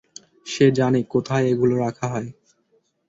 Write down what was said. সে জানে, কোথায় এগুলো রাখা হয়।